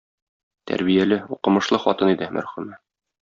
Тәрбияле, укымышлы хатын иде, мәрхүмә.